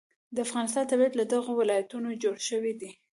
د افغانستان طبیعت له دغو ولایتونو جوړ شوی دی.